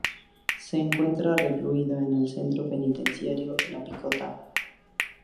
Se encuentra recluido en el centro penitenciario La Picota.